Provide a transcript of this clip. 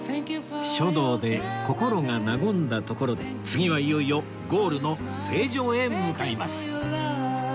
書道で心が和んだところで次はいよいよゴールの成城へ向かいます